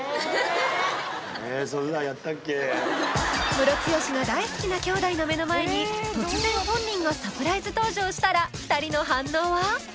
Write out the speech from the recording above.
ムロツヨシが大好きなきょうだいの目の前に突然本人がサプライズ登場したら２人の反応は？